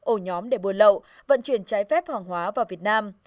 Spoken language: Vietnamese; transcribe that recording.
ổ nhóm để buôn lậu vận chuyển trái phép hàng hóa vào việt nam